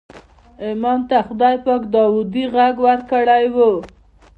امام ته خدای پاک داودي غږ ورکړی و.